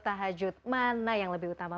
tahajud mana yang lebih utama